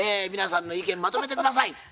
皆さんの意見まとめて下さい。